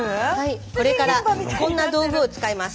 これからこんな道具を使います。